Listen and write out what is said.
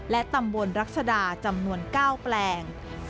และตำบลรัชดาจำนวน๙แปลง